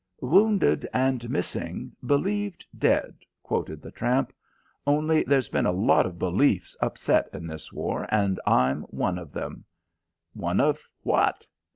"Wounded and missing, believed dead," quoted the tramp. "Only there's been a lot of beliefs upset in this war, and I'm one of them." "One of what?"